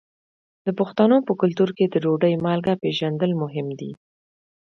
د پښتنو په کلتور کې د ډوډۍ مالګه پیژندل مهم دي.